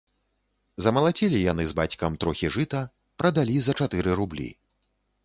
Змалацілі яны з бацькам трохі жыта, прадалі за чатыры рублі.